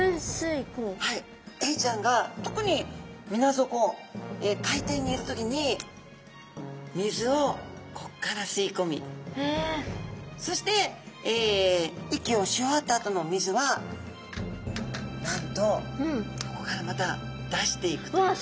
エイちゃんが特にみな底海底にいる時に水をこっからすいこみそして息をし終わったあとのお水はなんとここからまた出していくという。